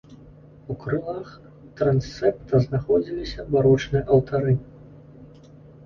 У крылах трансепта знаходзіліся барочныя алтары.